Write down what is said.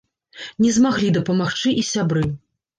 Не змаглі дапамагчы і сябры.